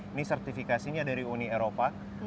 ini sertifikasinya dari uni eropa